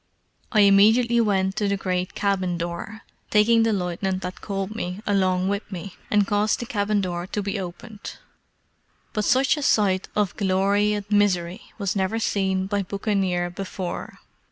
I immediately went to the great cabin door, taking the lieutenant that called me along with me, and caused the cabin door to be opened. But such a sight of glory and misery was never seen by buccaneer before.